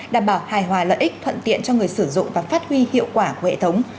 đảm bảo hài hòa lợi ích thuận tiện cho người sử dụng và phát huy hiệu quả của hệ thống